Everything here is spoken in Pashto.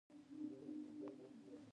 تېره اوونۍ د اوړو بازار ښه گرم و.